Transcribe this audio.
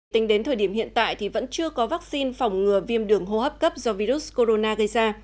tính đến thời điểm hiện tại thì vẫn chưa có vaccine phòng ngừa viêm đường hô hấp cấp do virus corona gây ra